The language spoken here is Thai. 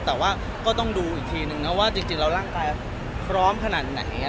แต่ว่าก็ต้องดูอีกทีนึงนะว่าจริงแล้วร่างกายพร้อมขนาดไหน